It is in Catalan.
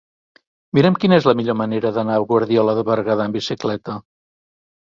Mira'm quina és la millor manera d'anar a Guardiola de Berguedà amb bicicleta.